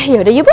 yaudah yuk bu